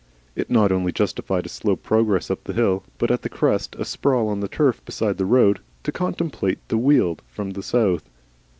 It not only justified a slow progress up the hill, but at the crest a sprawl on the turf beside the road, to contemplate the Weald from the south.